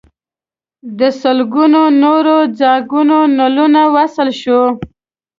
د لسګونو نورو څاګانو نلونه وصل شوي.